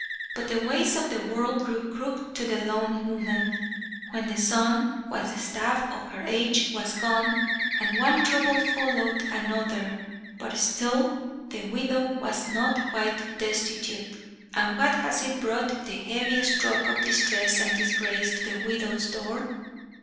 "But the ways of the world grew crooked to the lone woman, when the son, that was the staff of her age, was gone, and one trouble followed another, but still the widow was not quite destitute. And what was it brought the heavy stroke of distress and disgrace to the widow's door?